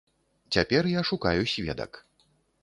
Цяпер я шукаю сведак.